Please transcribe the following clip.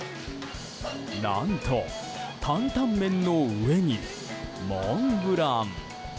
何と、担々麺の上にモンブラン。